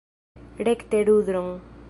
Rekte rudron!